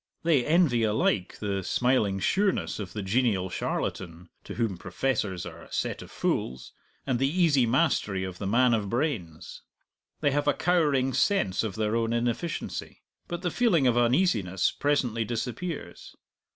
They envy alike the smiling sureness of the genial charlatan (to whom professors are a set of fools), and the easy mastery of the man of brains. They have a cowering sense of their own inefficiency. But the feeling of uneasiness presently disappears.